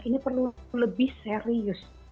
ini perlu lebih serius